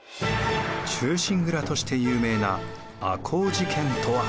「忠臣蔵」として有名な赤穂事件とは？